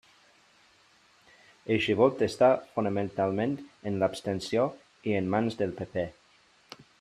Eixe vot està fonamentalment en l'abstenció i en mans del PP.